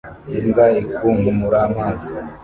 Imbwa ikunkumura amazi